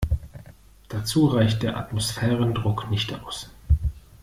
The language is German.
Dazu reicht der Atmosphärendruck nicht aus.